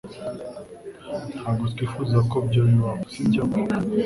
Ntabwo twifuza ko ibyo bibaho, sibyo?